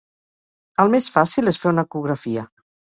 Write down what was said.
El més fàcil és fer una ecografia.